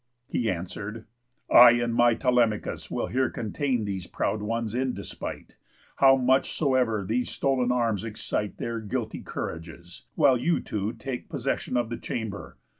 He answer'd: "I and my Telemachus Will here contain these proud ones in despite, How much soever these stol'n arms excite Their guilty courages, while you two take Possession of the chamber.